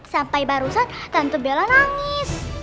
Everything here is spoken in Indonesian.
sampai barusan kantu bella nangis